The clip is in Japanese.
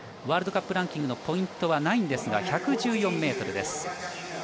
ワールドカップランキングのポイントはないんですが、１１４ｍです。